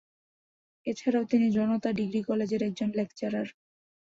এছাড়াও তিনি Janata degree college এর একজন লেকচারার।